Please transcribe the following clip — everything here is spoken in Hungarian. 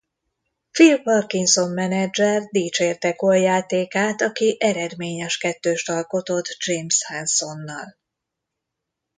Phil Parkinson menedzser dicsérte Cole játékát aki eredményes kettőst alkotott James Hansonnal.